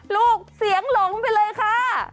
ลูกเสียงหลงไปเลยค่ะ